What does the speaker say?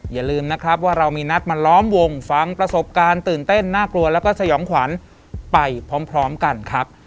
อย่าลืมนะครับว่าเรามีนัดมาล้อมวงฟังประสบการณ์ตื่นเต้นน่ากลัวแล้วก็สยองขวัญไปพร้อมกันครับ